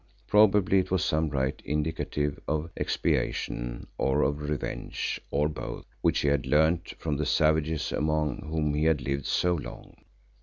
Probably it was some rite indicative of expiation or of revenge, or both, which he had learned from the savages among whom he had lived so long.